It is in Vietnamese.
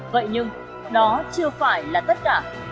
vậy nhưng đó chưa phải là tất cả